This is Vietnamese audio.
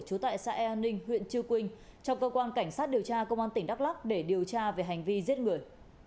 trú tại xã e an ninh huyện chư quynh trong cơ quan cảnh sát điều tra công an tỉnh đắk lắc để điều tra về hành vi giết người